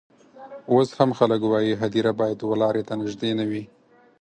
اوس هم خلک وايي هدیره باید و لاري ته نژدې نه وي.